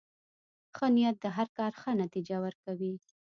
ښه نیت د هر کار ښه نتیجه ورکوي.